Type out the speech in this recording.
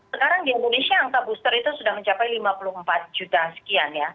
sekarang di indonesia angka booster itu sudah mencapai lima puluh empat juta sekian ya